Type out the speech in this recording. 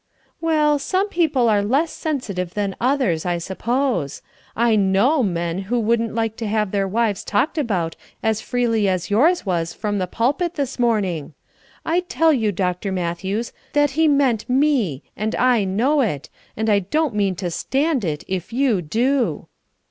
"Well, some people are less sensitive than others, I suppose. I know men who wouldn't like to have their wives talked about as freely as yours was from the pulpit this morning. I tell you, Dr. Matthews, that he meant me, and I know it, and I don't mean to stand it, if you do."